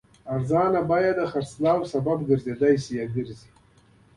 ارزانه بیه د خرڅلاو سبب ګرځي.